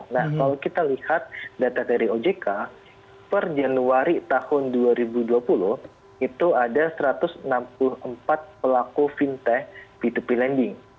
nah kalau kita lihat data dari ojk per januari tahun dua ribu dua puluh itu ada satu ratus enam puluh empat pelaku fintech p dua p lending